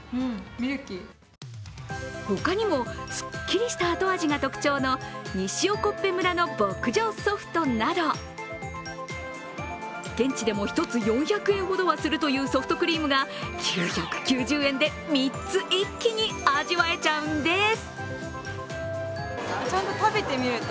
他にも、すっきりした後味が特徴の西興部村の牧場ソフトなど現地でも１つ４００円ほどはするというソフトクリームが９９０円で３つ一気に味わえちゃうんです。